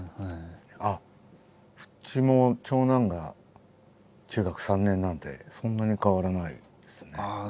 あっうちも長男が中学３年なんでそんなに変わらないですね。